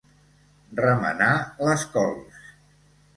Remenar les cols.